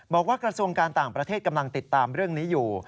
กระทรวงการต่างประเทศกำลังติดตามเรื่องนี้อยู่